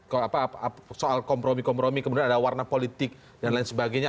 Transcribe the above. kalau soal kompromi kompromi kemudian ada warna politik dan lain sebagainya